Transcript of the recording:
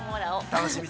◆楽しみに。